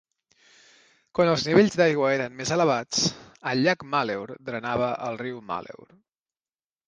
Quan els nivells d'aigua eren més elevats, el llac Malheur drenava al riu Malheur.